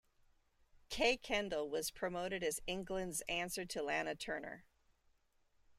Kay Kendall was promoted as England's answer to Lana Turner.